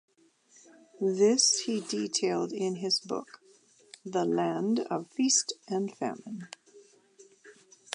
This he detailed in his book "The Land of Feast and Famine".